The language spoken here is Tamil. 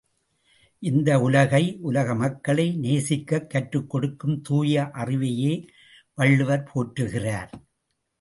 இந்த உலகை உலகமக்களை நேசிக்கக் கற்றுக் கொடுக்கும் தூய அறிவையே வள்ளுவர் போற்றுகிறார்.